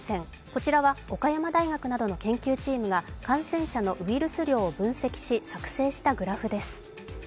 こちらは岡山大学などの研究チームが、感染者のウイルス量を分析し作成したグラフです。